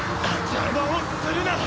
邪魔をするな！